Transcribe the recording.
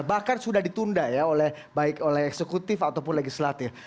bahkan sudah ditunda ya oleh baik oleh eksekutif ataupun legislatif